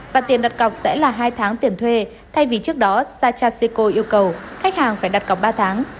và tiền đặt cọc sẽ là hai tháng tiền thuê thay vì trước đó sach tracico yêu cầu khách hàng phải đặt cọc ba tháng